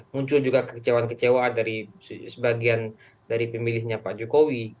muncul juga kekecewaan kecewaan dari sebagian dari pemilihnya pak jokowi